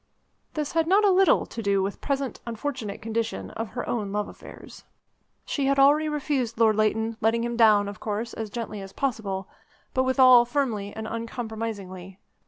This had not a little to do with the present unfortunate condition of her own love affairs. She had already refused Lord Leighton, letting him down, of course, as gently as possible, but withal firmly and uncompromisingly.